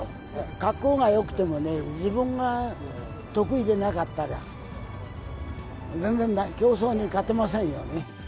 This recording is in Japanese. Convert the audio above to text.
格好がよくてもね、自分が得意でなかったら全然競争に勝てませんよね。